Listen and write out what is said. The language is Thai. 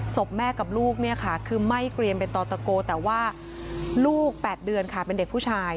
ศพแม่กับลูกเนี่ยค่ะคือไหม้เกรียมเป็นต่อตะโกแต่ว่าลูก๘เดือนค่ะเป็นเด็กผู้ชาย